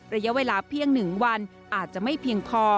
ระยะเวลาเพียง๑วันอาจจะไม่เพียงพอ